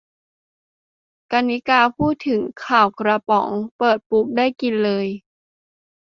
กรรณิการ์ พูดถึง "ข่าวกระป๋อง" เปิดปุ๊บ กินได้เลย